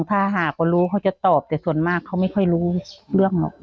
ถ้าหากว่ารู้เขาจะตอบแต่ส่วนมากเขาไม่ค่อยรู้เรื่องหรอก